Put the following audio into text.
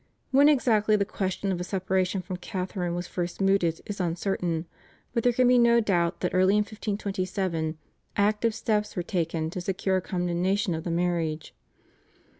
When exactly the question of a separation from Catharine was first mooted is uncertain; but there can be no doubt that early in 1527 active steps were taken to secure a condemnation of the marriage.